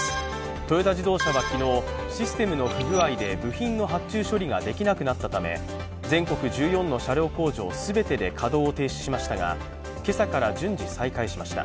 トヨタ自動車は昨日、システムの不具合で部品の発注処理ができなくなったため全国１４の車両工場で稼働を停止しましたが今朝から順次、再開しました。